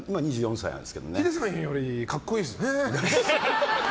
ヒデさんより格好いいですね。